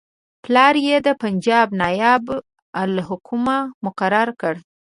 پلار یې د پنجاب نایب الحکومه مقرر کړ.